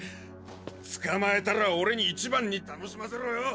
捕まえたら俺に一番に楽しませろよ！